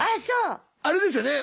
あれですよね